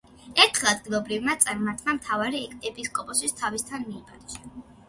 ერთხელ ადგილობრივმა წარმართმა მთავარმა ეპისკოპოსი თავისთან მიიპატიჟა.